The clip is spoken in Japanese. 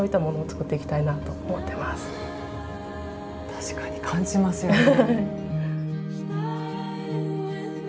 確かに感じますよね。